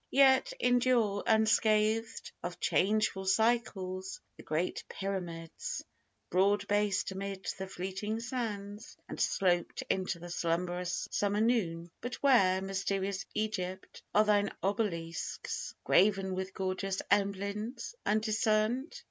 Yet endure unscathed Of changeful cycles the great Pyramids Broad based amid the fleeting sands, and sloped Into the slumberous summer noon; but where, Mysterious Egypt, are thine obelisks Graven with gorgeous emblems undiscerned?